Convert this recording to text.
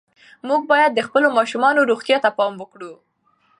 موږ باید د خپلو ماشومانو روغتیا ته پام وکړو.